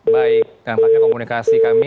baik dampaknya komunikasi kami